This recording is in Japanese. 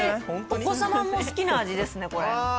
お子様も好きな味ですねこれ。